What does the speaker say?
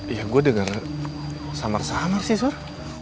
ya gue dengar samar samar sih sur